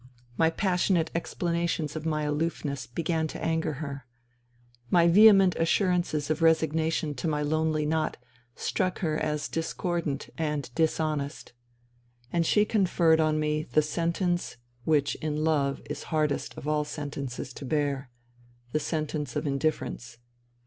My passionate explanations of my aloofness began to anger her. My vehement assurances of resignation to my lonely lot struck her as discordant and dis honest. And she conferred on me the sentence which in love is hardest of all sentences to bear — the sentence of indifference.